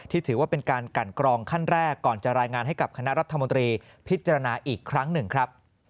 ถือว่าเป็นการกันกรองขั้นแรกก่อนจะรายงานให้กับคณะรัฐมนตรีพิจารณาอีกครั้งหนึ่งครับ